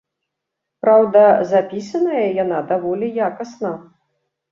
Праўда, запісаная яна даволі якасна.